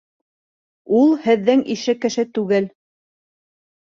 Ул һеҙҙең ише кеше түгел.